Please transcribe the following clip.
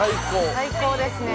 最高ですね。